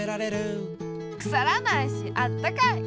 くさらないしあったかい！